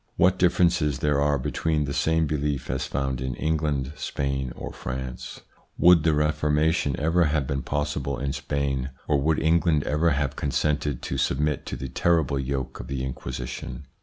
What differences there are between the same belief as found in England, Spain, or France, Would the Reformation ever have ITS INFLUENCE ON THEIR EVOLUTION 197 been possible in Spain, or would England ever have consented to submit to the terrible yoke of the Inquisition